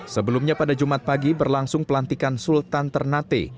sebelumnya pada jumat pagi berlangsung pelantikan sultan ternate